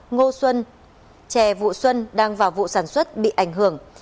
ngô xuân chè vụ xuân đang vào vụ sản xuất bị ảnh hưởng